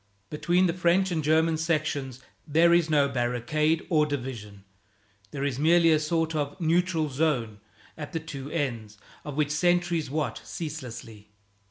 Between the French and German sections there is no barricade or division. There is merely a sort of neutral zone, at the two ends of which sentries watch ceaselessly.